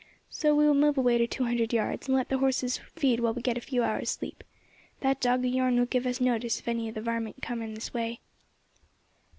So we will move away two hundred yards, and let the horses feed while we get a few hours' sleep. That dog of yourn will give us notice if any of the varmint are coming this way."